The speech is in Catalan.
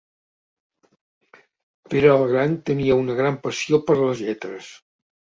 Pere el Gran tenia una gran passió per les lletres.